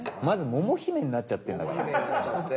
まず「桃姫」になっちゃってんだから。